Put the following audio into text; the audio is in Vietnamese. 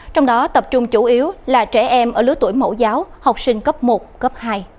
trong đó tập trung chủ yếu là trẻ em ở lứa tuổi mẫu giáo học sinh cấp một cấp hai